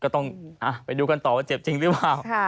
ก็ต้องไปดูกันต่อว่าเจ็บจริงหรือเปล่า